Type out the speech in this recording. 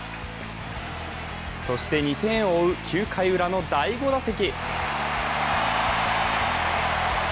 そして２点を追う９回ウラの第５打席。